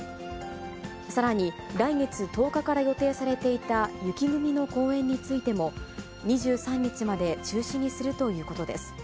さらに、来月１０日から予定されていた雪組の公演についても、２３日まで中止にするということです。